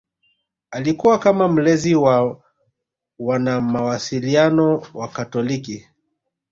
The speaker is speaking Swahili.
Alikuwa kama mlezi wa wanamawasiliano wakatoliki